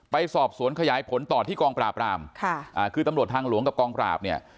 ไปสอบสวนขยายผลต่อที่กองปราบรามค่ะอ่าคือตำรวจทางหลวงกับกองปราบเนี่ย